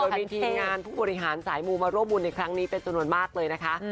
โดยมีทีมงานผู้บริหารสายมูมาร่วมบุญในครั้งนี้เป็นจำนวนมากเลยนะคะ